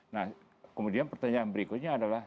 nah kemudian pertanyaan berikutnya adalah